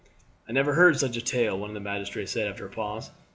"I never heard such a tale," one of the magistrates said after a pause.